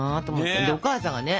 お母さんがね